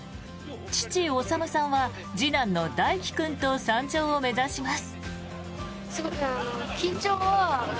父・収さんは次男の大輝君と山頂を目指します。